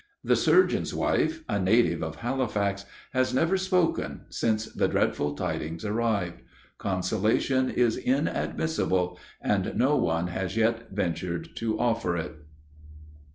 The surgeon's wife, a native of Halifax, has never spoken since the dreadful tidings arrived. Consolation is inadmissible, and no one has yet ventured to offer it.